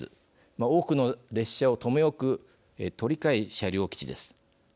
多くの列車を留め置く鳥飼車両基地です。